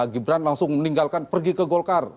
gibran langsung meninggalkan pergi ke golkar